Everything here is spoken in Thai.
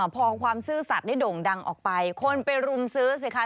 พอความซื่อสัตว์ได้โด่งดังออกไปคนไปรุมซื้อสิคะ